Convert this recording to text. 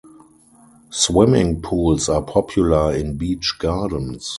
Swimming pools are popular in beach gardens.